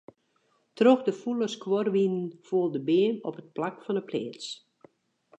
Troch de fûle skuorwinen foel de beam op it dak fan 'e pleats.